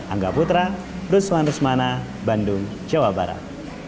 angga putra rusman rusmana bandung jawa barat